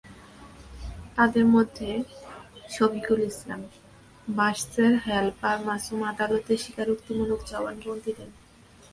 তাঁদের মধ্যে শফিকুল ইসলাম, বাসের হেলপার মাসুম আদালতে স্বীকারোক্তিমূলক জবানবন্দি দেন।